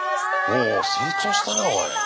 おお成長したなおい。